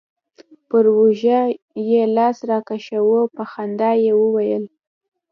پر اوږه يې لاس راكښېښوو په خندا يې وويل.